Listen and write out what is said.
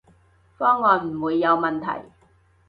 方案唔會有問題